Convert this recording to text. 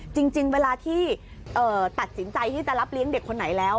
จริงเวลาที่ตัดสินใจที่จะรับเลี้ยงเด็กคนไหนแล้ว